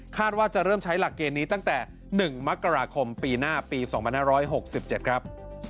ว่าจะเริ่มใช้หลักเกณฑ์นี้ตั้งแต่๑มกราคมปีหน้าปี๒๕๖๗ครับ